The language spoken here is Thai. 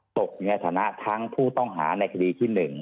ตกในฐานะทั้งผู้ต้องหาในคดีที่๑